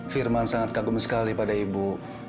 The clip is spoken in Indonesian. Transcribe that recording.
firman sangat kagum sekali pada ibu